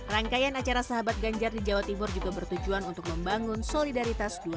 rangkaian acara sahabat ganjar di jawa timur juga bertujuan untuk membangun solidaritas dua ribu dua puluh